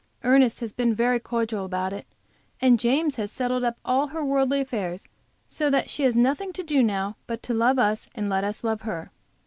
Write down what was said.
Ernest has been very cordial about it, and James has settled up all her worldly affairs, so that she has nothing to do now but to love us and let us love her.